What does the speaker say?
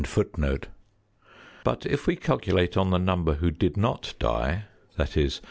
But if we calculate on the number who did not die, viz.